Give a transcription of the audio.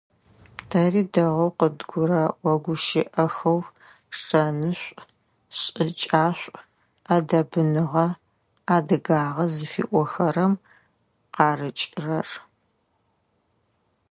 Тэри дэгъоу къыдгурэӀо гущыӀэхэу шэнышӀу, шӀыкӀашӀу, Ӏэдэбныгъэ, адыгагъэ зыфиӀохэрэм къарыкӀырэр.